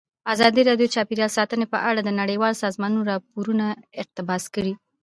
ازادي راډیو د چاپیریال ساتنه په اړه د نړیوالو سازمانونو راپورونه اقتباس کړي.